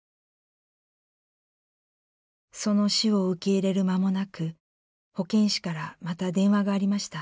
その死を受け入れる間もなく保健師からまた電話がありました。